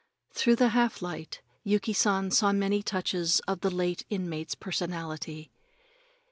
Through the half light Yuki San saw many touches of the late inmate's personality.